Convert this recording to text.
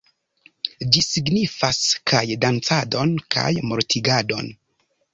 Ĝi signifas kaj dancadon kaj mortigadon